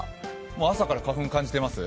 朝から花粉、感じてます？